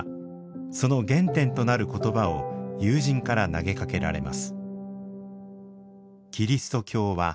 その原点となる言葉を友人から投げかけられます。